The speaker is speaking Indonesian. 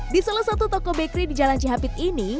di salah satu toko bakery di jalan cihapit ini